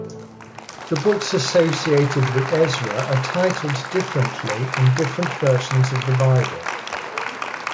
The books associated with Ezra are titled differently in different versions of the Bible.